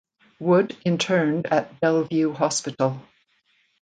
Wood interned at Bellevue Hospital.